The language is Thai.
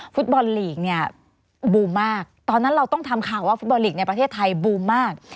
ฟุตบอลลีกเนี่ยบูมมากตอนนั้นเราต้องทำข่าวว่าฟุตบอลลีกในประเทศไทยบูมมาก